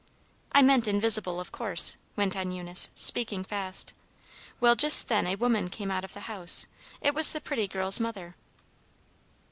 "I meant 'invisible,' of course," went on Eunice, speaking fast. "Well, just then a woman came out of the house. It was the pretty girl's mother.